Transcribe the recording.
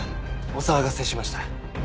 お騒がせしました。